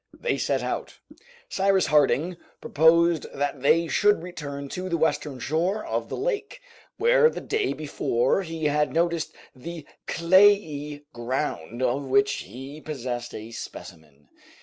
They set out. Cyrus Harding proposed that they should return to the western shore of the lake, where the day before he had noticed the clayey ground of which he possessed a specimen.